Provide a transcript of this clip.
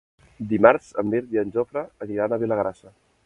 Dimarts en Mirt i en Jofre iran a Vilagrassa.